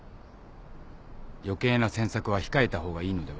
余計な詮索は控えた方がいいのでは？